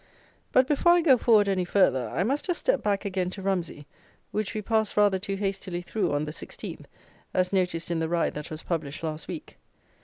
But, before I go forward any further, I must just step back again to Rumsey, which we passed rather too hastily through on the 16th, as noticed in the RIDE that was published last week.